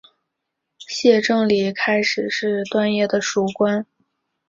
谢正礼开始是段业的属官。